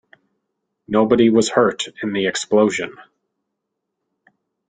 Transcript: Nobody was hurt in the explosion.